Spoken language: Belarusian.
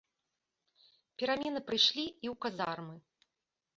Перамены прыйшлі і ў казармы.